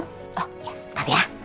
padahal gimana ya sih